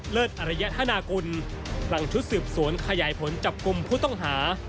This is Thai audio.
อรยธนากุลหลังชุดสืบสวนขยายผลจับกลุ่มผู้ต้องหา